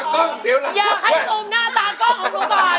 อยากให้ซูมหน้าตากล้องของหนูก่อน